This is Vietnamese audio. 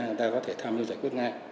người ta có thể tham mưu giải quyết